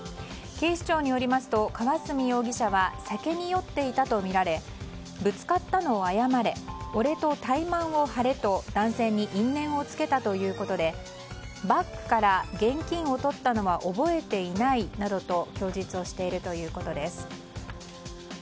警視庁によりますと河澄容疑者は酒に酔っていたとみられぶつかったのを謝れ俺とタイマンを張れと男性に因縁をつけたということでバッグから現金を取ったのは覚えていないと供述をしているということです。